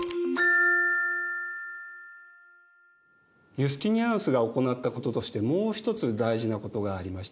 ユスティニアヌスが行ったこととしてもう一つ大事なことがありました。